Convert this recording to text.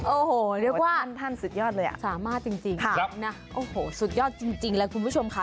โอ้โหเรียกว่าท่านสุดยอดเลยอ่ะสามารถจริงนะโอ้โหสุดยอดจริงเลยคุณผู้ชมค่ะ